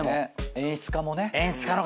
演出家もね。